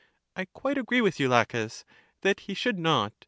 I quite agree with you, Laches, that he should not.